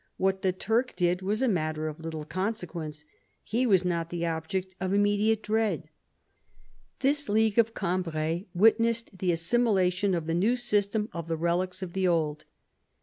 What the Turk did was a matter of little consequence ; he was not the object of immediate dread. This League of Gambrai witnessed the assimilation by the new system of the relics of the old.